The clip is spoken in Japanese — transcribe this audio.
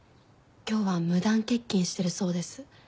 今日は無断欠勤してるそうです。